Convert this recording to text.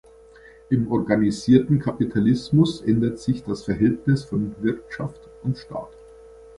Im organisierten Kapitalismus ändert sich das Verhältnis von Wirtschaft und Staat.